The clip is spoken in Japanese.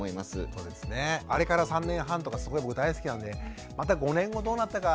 あれから３年半とかすごい僕大好きなんでまた５年後どうなったか。